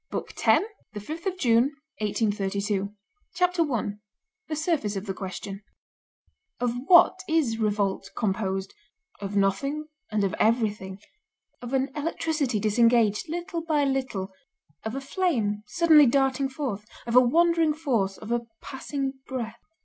BOOK TENTH—THE 5TH OF JUNE, 1832 CHAPTER I—THE SURFACE OF THE QUESTION Of what is revolt composed? Of nothing and of everything. Of an electricity disengaged, little by little, of a flame suddenly darting forth, of a wandering force, of a passing breath.